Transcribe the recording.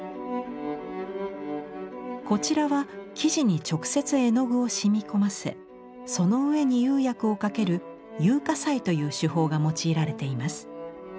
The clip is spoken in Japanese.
こちらは生地に直接絵の具を染み込ませその上に釉薬をかける「釉下彩」という手法が用いられています。